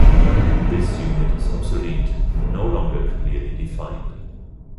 This unit is obsolete and no longer clearly defined.